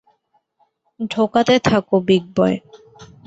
ঢোকাতে থাকো, বিগ বয়!